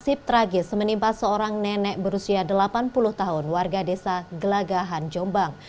sip tragis menimpa seorang nenek berusia delapan puluh tahun warga desa gelagahan jombang